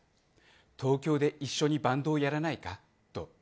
東京で一緒にバンドやらないかと。